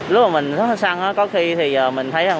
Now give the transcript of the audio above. lúc mà mình xăng có khi thì mình thấy